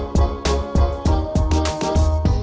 ทุกที่ว่าใช่ไหม